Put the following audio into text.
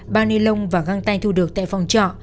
bao ni lông và găng tay thu được tại phòng trọ